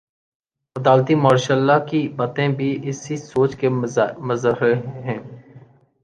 عدالتی martial law کی باتیں بھی اسی سوچ کا مظہر ہیں۔